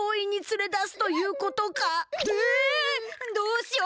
どうしよう。